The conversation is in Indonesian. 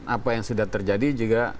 apa yang sudah terjadi juga